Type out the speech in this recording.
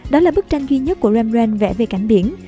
đó là bức tranh duy nhất của rembrandt vẽ về cảnh biển